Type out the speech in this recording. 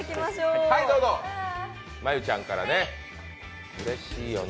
真悠ちゃんからね、うれしいよな。